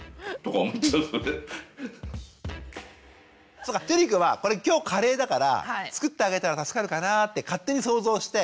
そっかチェリー君はこれ今日カレーだから作ってあげたら助かるかなって勝手に想像して。